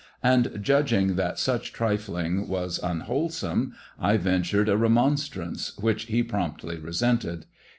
And, judging that such trifling was unwholesome, I ventured a remonstrance, which he promptly resented.